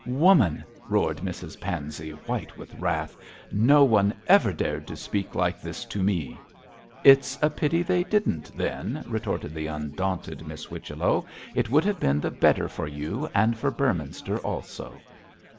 'Woman,' roared Mrs Pansey, white with wrath, 'no one ever dared to speak like this to me.' 'It's a pity they didn't, then,' retorted the undaunted Miss Whichello; 'it would have been the better for you, and for Beorminster also.'